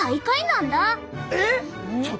えっ！